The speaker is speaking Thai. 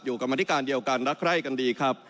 อยู่กับมาธิการเดียวกันรักใคร่กันดีครับ